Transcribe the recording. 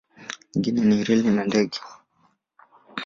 Nyingine ni reli na ndege.